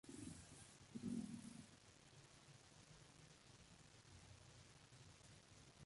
Consta de dos carriles por sentido separados por zonas ajardinadas.